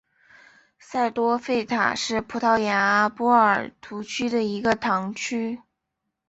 塞多费塔是葡萄牙波尔图区的一个堂区。